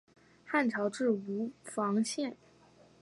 汉朝置吴房县。